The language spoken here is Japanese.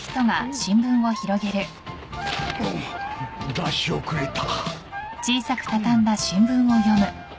出し遅れた。